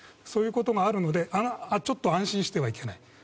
そういうことがあるのでちょっと安心してはいけない。